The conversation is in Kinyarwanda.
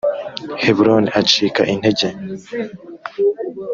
heburoni acika intege